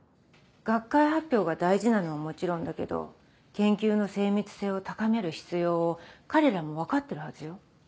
学会発表が大事なのはもちろんだけど研究の精密性を高める必要を彼らも分かってるはずよ。